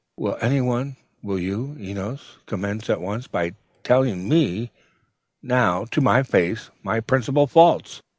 Will any one will you, Enos commence at once by telling me now to my face my principal faults?'